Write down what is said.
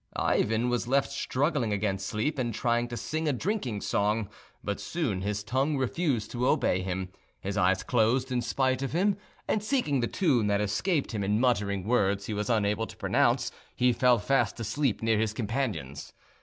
Ivan was left struggling against sleep, and trying to sing a drinking song; but soon his tongue refused to obey him, his eyes closed in spite of him, and seeking the tune that escaped him, and muttering words he was unable to pronounce, he fell fast asleep near his companions.